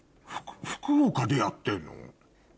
福岡でやってんの？